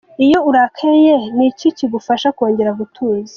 Iyo urakaye ni iki kigufasha kongera gutuza?.